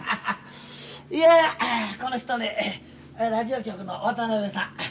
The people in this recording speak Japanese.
いやこの人ねラジオ局の渡辺さん。